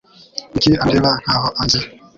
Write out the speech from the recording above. Kuki andeba nkaho anzi?